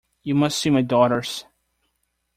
You must see my daughters.